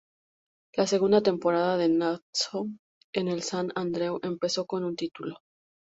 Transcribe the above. La segunda temporada de Natxo en el Sant Andreu empezó con un título.